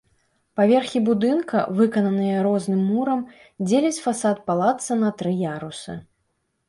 Паверхі будынка, выкананыя розным мурам, дзеляць фасад палацца на тры ярусы.